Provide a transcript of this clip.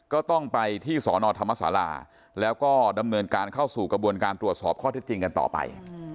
ก็ต้องไปที่สอนอธรรมศาลาแล้วก็ดำเนินการเข้าสู่กระบวนการตรวจสอบข้อเท็จจริงกันต่อไป